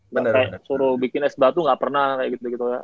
kayak suruh bikin es batu gak pernah kayak gitu